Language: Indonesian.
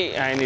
nah ini dia